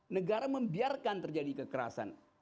negara membiarkan terjadi kekerasan